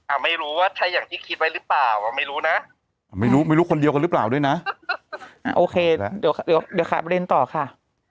อ้าวตอบละก่อนเมื่อกี้เราพูดกันมั้ย